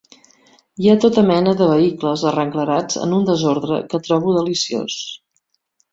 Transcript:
Hi ha tota mena de vehicles arrenglerats en un desordre que trobo deliciós.